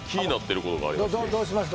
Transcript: どうしました？